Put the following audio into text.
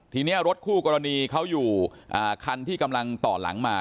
ทีนี้รถคู่กรณีเขาอยู่คันที่กำลังต่อหลังมา